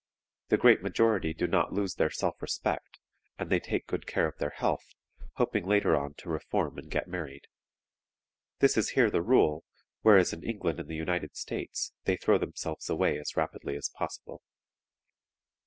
The great majority do not lose their self respect, and they take good care of their health, hoping later on to reform and get married. This is here the rule, whereas in England and the United States they throw themselves away as rapidly as possible.